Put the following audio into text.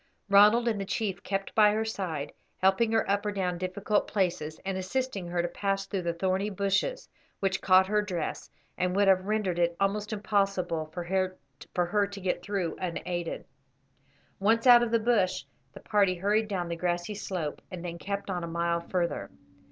Ronald and the chief kept by her side, helping her up or down difficult places, and assisting her to pass through the thorny bushes, which caught her dress, and would have rendered it almost impossible for her to get through unaided. Once out of the bush, the party hurried down the grassy slope, and then kept on a mile further.